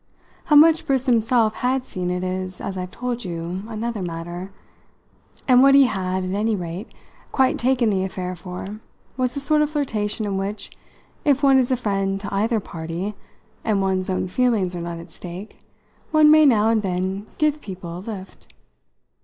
How much Briss himself had seen it is, as I've told you, another matter; and what he had, at any rate, quite taken the affair for was the sort of flirtation in which, if one is a friend to either party, and one's own feelings are not at stake, one may now and then give people a lift.